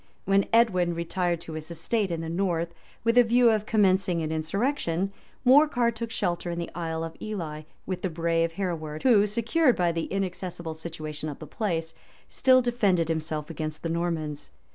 While Edwin retired to his estate in the north, with a view of commencing an insurrection, Morcar took shelter in the Isle of Ely, with the brave Hereward, who, secured by the inaccessible situation of the place, still defended himself against the Normans.